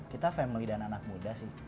kita family dan anak muda sih